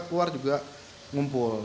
keluar juga ngumpul